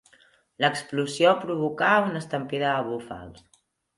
L'explosió provocà una estampida de búfals.